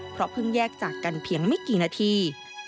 เพราะเพิ่งแยกจากกันเพียงไม่กี่นาที